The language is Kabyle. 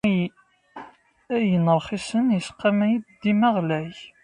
Ayen rxisen yesqamay-d dima ɣlay.